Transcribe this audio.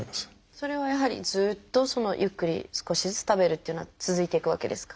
それはやはりずっとゆっくり少しずつ食べるというのは続いていくわけですか？